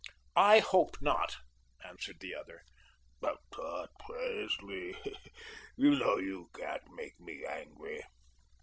"I hope not," answered the other. "Tut, tut, Presley, you know you can't make me angry."